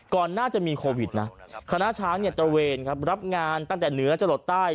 ก่อนน่าจะมีโควิดนะคณะช้างเนี่ยตระเวนครับรับงานตั้งแต่เหนือจะหลดใต้